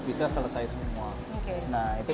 bisa selesai semua oke nah itu